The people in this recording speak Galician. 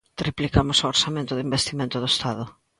Triplicamos o orzamento do investimento do Estado.